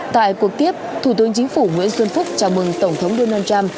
tại cuộc tiếp thủ tướng chính phủ nguyễn xuân phúc chào mừng tổng thống donald trump